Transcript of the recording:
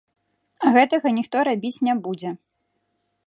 А гэтага ніхто рабіць не будзе.